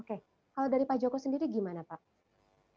oke kalau dari pak joko sendiri gimana pak